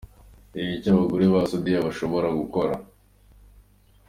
Ni ibiki abagore ba Saudia badashobora gukora?.